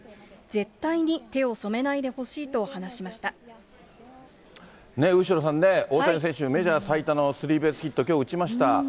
絶対に手を染めないでほしいと話後呂さんね、大谷選手、メジャー最多のスリーベースヒット、きょう打ちました。